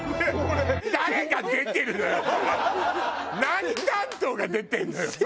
何担当が出てるのよそれ。